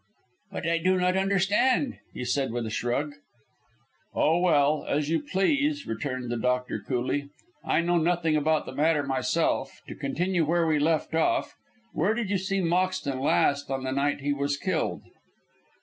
"But I do not understand," he said with a shrug. "Oh, well, as you please," returned the doctor, coolly. "I know nothing about the matter myself. To continue where we left off. Where did you see Moxton last on the night he was killed?"